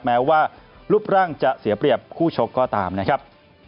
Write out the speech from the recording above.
แม้ว่ารูปร่างจะเสียเปรียบคู่ชกก็ตามนะครับ